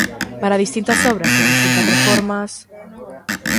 Para distintas obras e distintas reformas...